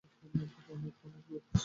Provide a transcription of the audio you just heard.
অনেক, অনেক লোক।